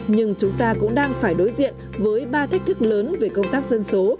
nhưng chúng ta cũng đang phải đối diện với ba thách thức lớn về công tác dân số